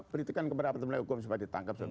beritakan kepada teman teman hukum supaya ditangkap